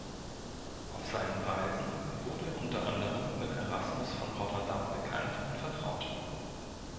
Auf seinen Reisen wurde er unter anderem mit Erasmus von Rotterdam bekannt und vertraut.